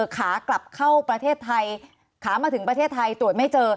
ขากลับเข้าประเทศไทยขามาถึงประเทศไทยตรวจไม่เจอ